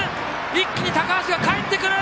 一気に高橋がかえってくる！